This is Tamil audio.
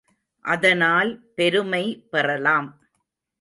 அதனால் பெருமை பெறலாம்.